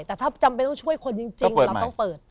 แต่ถ้าจำเป็นต้องช่วยคนจริงเราต้องเปิด